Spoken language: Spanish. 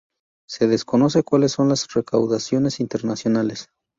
Se desconoce cuales son las recaudaciones internacionales.